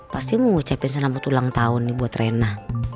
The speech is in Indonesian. pasti mau ngucapin senaput ulang tahun nih buat reina